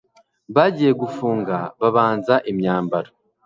Bagiye gufunga babanza imyambaro